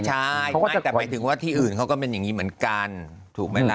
ใช่แต่หมายถึงว่าที่อื่นเขาก็เป็นอย่างนี้เหมือนกันถูกไหมล่ะ